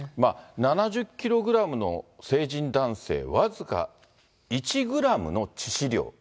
７０キログラムの成人男性僅か１グラムの致死量。